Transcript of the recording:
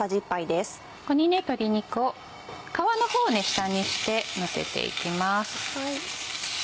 ここに鶏肉を皮の方を下にしてのせていきます。